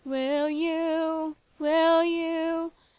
Will you ? will you ?